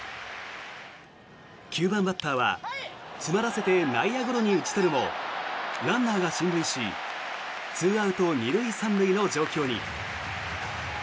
９番バッターは詰まらせて内野ゴロに打ち取るもランナーが進塁し２アウト２塁３塁の状況に。